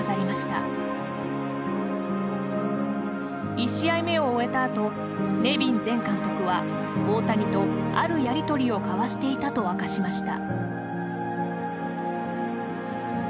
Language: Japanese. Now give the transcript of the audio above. １試合目を終えたあとネビン前監督は大谷とあるやり取りを交わしていたと明かしました。